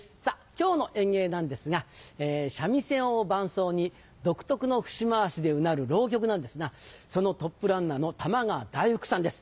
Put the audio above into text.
今日の演芸なんですが三味線を伴奏に独特の節回しでうなる浪曲なんですがそのトップランナーの玉川太福さんです。